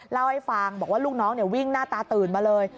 เล่าให้ฟังบอกว่าลูกน้องวิ่งหน้าตาตื่นมาเลย